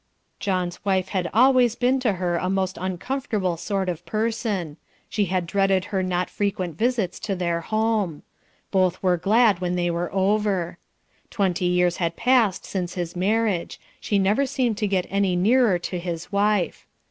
John's wife had always been to her a most uncomfortable sort of person; she had dreaded her not frequent visits to their home. Both were glad when they were over. Twenty years had passed since his marriage; she never seemed to get any nearer to his wife.